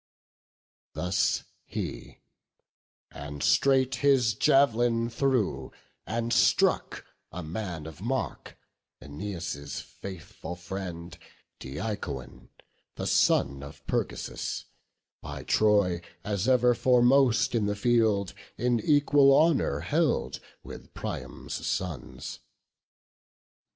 Thus he: and straight his jav'lin threw, and struck A man of mark, Æneas' faithful friend, Deicoon, the son of Pergasus, By Troy, as ever foremost in the field, In equal honour held with Priam's sons.